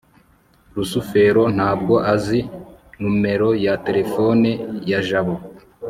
rusufero ntabwo azi numero ya terefone ya jabo